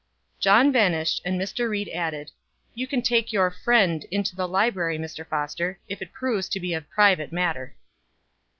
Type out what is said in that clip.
John vanished, and Mr. Ried added: "You can take your friend into the library, Mr. Foster, if it proves to be a private matter."